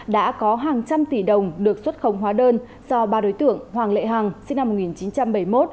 đã có hàng trăm tỷ đồng được xuất khống hóa đơn do ba đối tượng hoàng lệ hàng sinh năm một nghìn chín trăm bảy mươi một